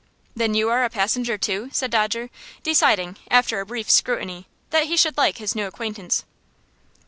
"Then you are a passenger, too?" said Dodger, deciding, after a brief scrutiny, that he should like his new acquaintance.